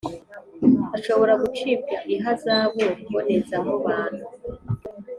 Ashobora gucibwa ihazabu mbonezamubano